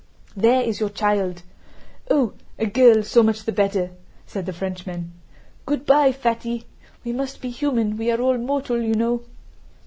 "There is your child! Oh, a girl, so much the better!" said the Frenchman. "Good by, Fatty. We must be human, we are all mortal you know!"